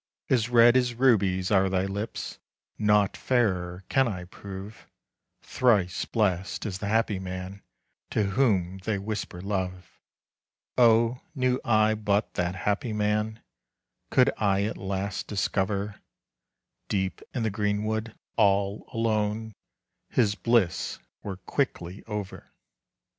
As red as rubies are thy lips, Naught fairer can I prove. Thrice blessed is the happy man To whom they whisper love. Oh, knew I but that happy man, Could I at last discover, Deep in the greenwood, all alone His bliss were quickly over.